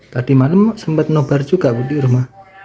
tadi malam sempat nobar juga bu di rumah